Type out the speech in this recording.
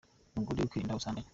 Umugore akirinda ubusambanyi.